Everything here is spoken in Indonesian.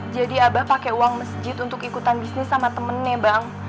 jadi abah pakai uang masjid untuk ikutan bisnis sama temennya bang